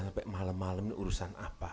sampai malam malam ini urusan apa